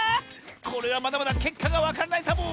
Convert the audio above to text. これはまだまだけっかがわからないサボ！